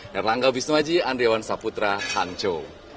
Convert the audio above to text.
dan langga bisnaji andriwan saputra hangco